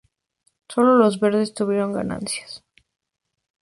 Sólo los Verdes tuvieron ganancias.